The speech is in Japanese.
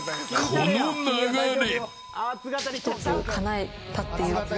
この流れ。